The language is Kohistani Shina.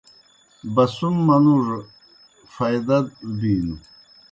بَسُم منُوڙوْ فائدہ دہ بِینوْ۔